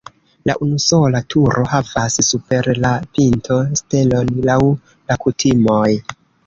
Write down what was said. La unusola turo havas super la pinto stelon laŭ la kutimoj.